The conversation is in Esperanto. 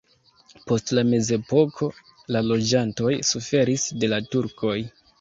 Post la mezepoko la loĝantoj suferis de la turkoj.